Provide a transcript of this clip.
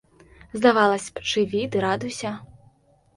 Здавалася б, жыві ды радуйся.